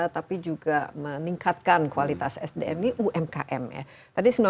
tapi juga meningkatkan kualitas sdm ini umkm ya